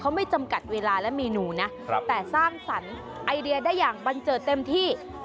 เขาไม่จำกัดเวลาและเมนูนะแต่สร้างสรรค์ไอเดียได้อย่างบันเจิดเต็มที่